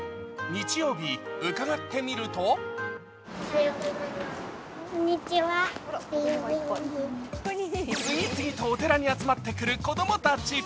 日曜日、伺ってみると次々とお寺に集まってくる子どもたち。